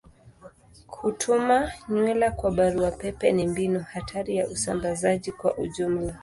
Kutuma nywila kwa barua pepe ni mbinu hatari ya usambazaji kwa ujumla.